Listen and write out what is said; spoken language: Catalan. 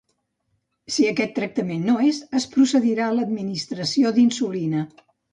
Si aquest tractament no és, es procedirà a l'administració d'insulina.